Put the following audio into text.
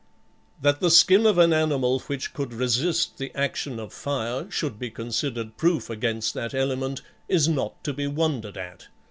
That the skin of an animal which could resist the action of fire should be considered proof against that element is not to be wondered at.